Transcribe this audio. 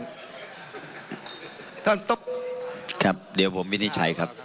ครับเดี๋ยวผมวินิจฉัยครับเดี๋ยวผมวินิจฉัย